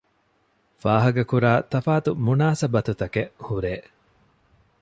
ފާހަގަކުރާ ތަފާތު މުނާސަބަތުތަކެއް ހުރޭ